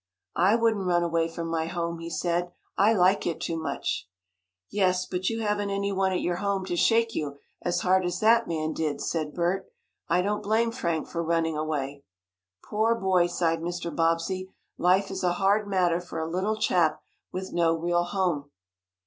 "I wouldn't run away from my home," he said. "I like it too much." "Yes, but you haven't anyone at your home to shake you as hard as that man did," said Bert. "I don't blame Frank for running away." "Poor boy!" sighed Mr. Bobbsey. "Life is a hard matter for a little chap with no real home."